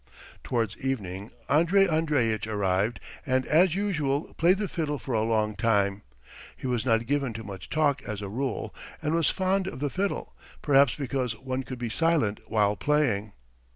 Towards evening Andrey Andreitch arrived and as usual played the fiddle for a long time. He was not given to much talk as a rule, and was fond of the fiddle, perhaps because one could be silent while playing.